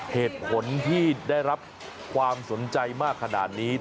เหตุผลที่ได้รับความสนใจมากขนาดนี้